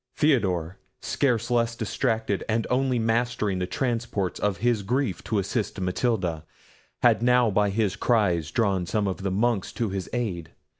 Theodore, scarce less distracted, and only mastering the transports of his grief to assist Matilda, had now by his cries drawn some of the monks to his aid.